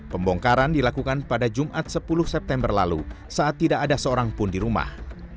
pembongkaran dilakukan pada jumat sepuluh september lalu saat tidak ada seorang pun di rumah